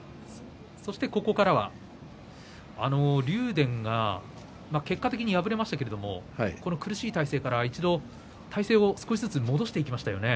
竜電が結果的に敗れましたけれども苦しい体勢から一度、体勢を少しずつ戻していきましたね。